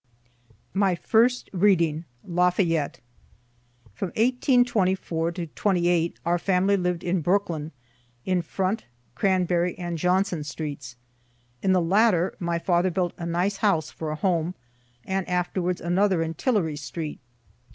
MY FIRST READING LAFAYETTE From 1824 to '28 our family lived in Brooklyn in Front, Cranberry and Johnson streets. In the latter my father built a nice house for a home, and afterwards another in Tillary street.